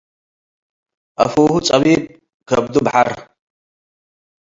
አፍሁ ጸቢብ - ከብዱ በሐር